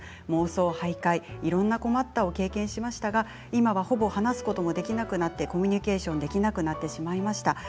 妄想、はいかい、いろいろな困ったを経験しましたが今はほとんど話すこともできなくなりコミュニケーションも取れなくなってきました。